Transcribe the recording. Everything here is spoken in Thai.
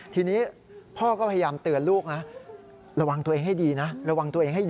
ทีนี้พ่อก็พยายามเตือนลูกนะระวังตัวเองให้ดีนะ